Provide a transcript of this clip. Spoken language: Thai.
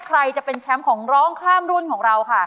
ใครจะเป็นแชมป์ของร้องข้ามรุ่นของเราค่ะ